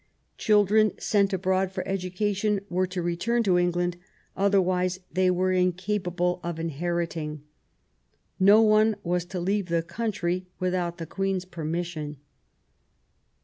Children sent abroad for education were to return to England, otherwise they were incapable of inheriting. No one was to leave the country without the Queen's permission.